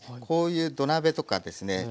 こういう土鍋とかですね